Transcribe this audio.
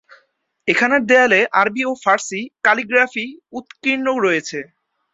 এখানের দেয়ালে আরবি ও ফার্সি ক্যালিগ্রাফি উৎকীর্ণ রয়েছে।